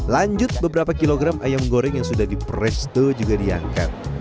lanjut beberapa kilogram ayam goreng yang sudah di presto juga diangkat